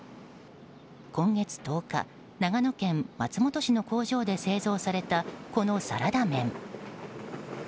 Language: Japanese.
今月１０日長野県松本市の工場で製造されたこのサラダ麺。